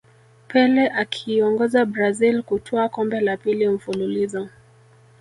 pele akiiongoza brazil kutwaa kombe la pili mfululizo